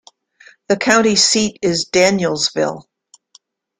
The county seat is Danielsville.